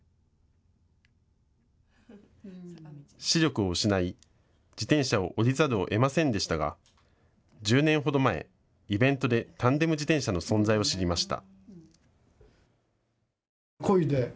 視力を失い、自転車を降りざるをえませんでしたが１０年ほど前、イベントでタンデム自転車の存在を知りました。